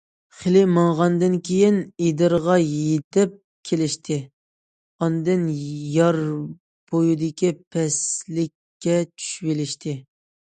خېلى ماڭغاندىن كېيىن ئېدىرغا يېتىپ كېلىشتى، ئاندىن يار بويدىكى پەسلىككە چۈشۈۋېلىشتى.